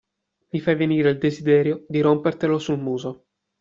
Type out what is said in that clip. Mi fai venire il desiderio di rompertelo sul muso.